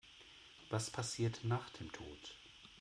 Was passiert nach dem Tod?